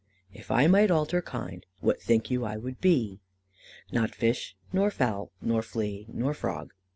"If I might alter kind, What, think you, I would bee? Not Fish, nor Foule, nor Fle, nor Frog.